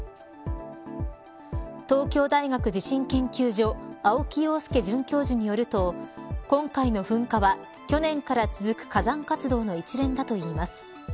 東京大学地震研究所青木陽介准教授によると今回の噴火は去年から続く火山活動の一連だといいます。